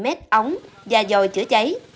năm mươi bảy mét ống và dòi chữa cháy